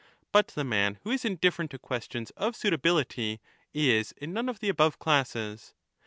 But the man who is indifferent to questions of suitability is in none of the above classes.